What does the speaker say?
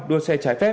đưa xe trái phép